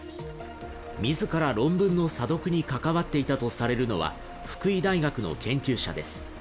自ら論文の査読に関わっていたとされるのは福井大学の研究者です。